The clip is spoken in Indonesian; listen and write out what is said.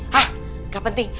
hah gak penting